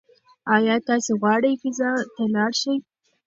ایا تاسي غواړئ فضا ته لاړ شئ؟